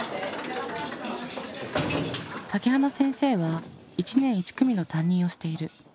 竹花先生は１年１組の担任をしている。